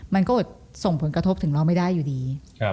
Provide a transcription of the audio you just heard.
มันก็อดส่งผลกระทบถึงเราไม่ได้อยู่ดี